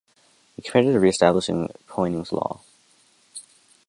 He compared it to re-establishing Poynings' Law.